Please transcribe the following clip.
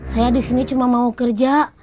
saya di sini cuma mau kerja